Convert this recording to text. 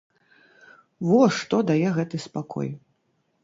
Во што дае гэты спакой!